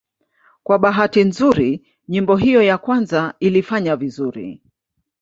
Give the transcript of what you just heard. Kwa bahati nzuri nyimbo hiyo ya kwanza ilifanya vizuri.